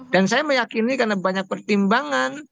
saya meyakini karena banyak pertimbangan